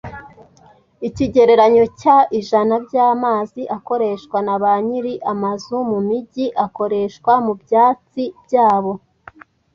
Ikigereranyo cya ijana byamazi akoreshwa na banyiri amazu mumijyi akoreshwa mubyatsi byabo.